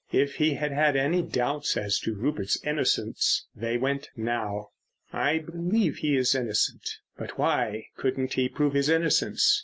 If he had had any doubts as to Rupert's innocence they went now. "I believe he is innocent. But—why couldn't he prove his innocence?